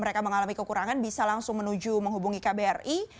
mereka mengalami kekurangan bisa langsung menuju menghubungi kbri